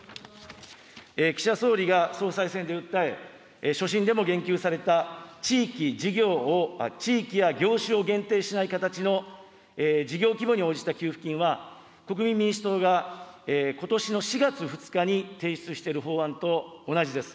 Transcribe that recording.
岸田総理が総裁選で訴え、所信でも言及された地域、事業を、地域や業種を限定しない形の、事業規模に応じた給付金は、国民民主党がことしの４月２日に提出している法案と同じです。